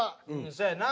そやな。